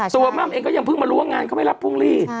ม่ำเองก็ยังเพิ่งมารู้ว่างานเขาไม่รับพรุ่งนี้